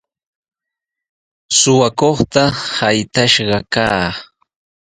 Suqakuqta saytash kaa.